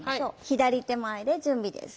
左手前で準備です。